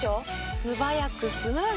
素早くスムーズ。